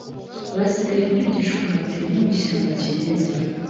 Basigaye muri gishwati no mu ishyamba kimeza